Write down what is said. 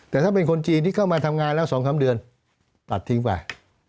แต่ถ้าเป็นคนจีนที่เข้ามาทำงานแล้ว๒๓เดือนตัดทิ้งไป